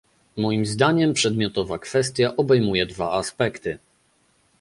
Moim zdaniem przedmiotowa kwestia obejmuje dwa aspekty